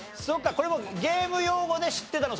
これもゲーム用語で知ってたの？